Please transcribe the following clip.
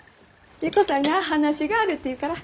優子さんが話があるって言うから。